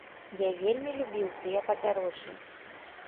Я вельмі любіў тыя падарожжы.